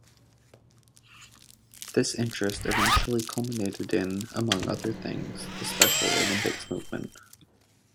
This interest eventually culminated in, among other things, the Special Olympics movement.